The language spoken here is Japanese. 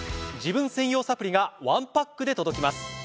自分専用サプリがワンパックで届きます。